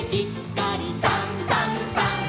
「さんさんさん」